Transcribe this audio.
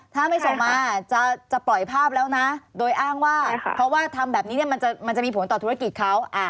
ถ้าไม่ส่งมาจะปล่อยภาพแล้วนะโดยอ้างว่าเพราะว่าทำแบบนี้มันจะมีผลต่อธุรกิจเขา